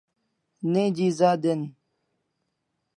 Neji za den